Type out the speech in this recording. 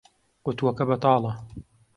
قوتووەکە بەتاڵە.